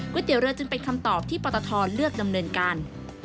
เตี๋ยเรือจึงเป็นคำตอบที่ปตทเลือกดำเนินการ